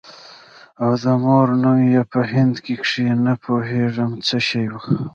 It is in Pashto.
او د مور نوم يې په هندي کښې نه پوهېږم څه شى و.